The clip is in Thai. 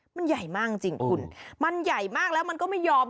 มันใหญ่มากจริงคุณมันใหญ่มากแล้วมันก็ไม่ยอม